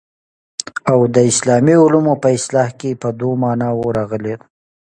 او د اسلامي علومو په اصطلاح کي په دوو معناوو راغلې ده.